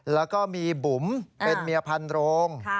แล้วก็มีบุ๋มเป็นเมียพันโรง